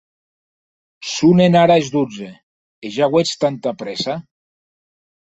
Sonen ara es dotze, e ja auetz tanta prèssa?